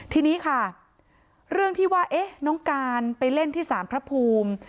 ทีนี้ค่ะเรื่องที่ว่าน้องการไปเล่นที่สารพระภูมิ